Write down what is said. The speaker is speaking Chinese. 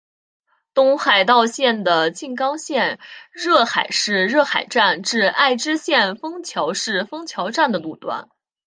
东海道线的静冈县热海市热海站至爱知县丰桥市丰桥站的路段。